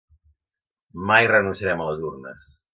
Mai renunciarem a les urnes.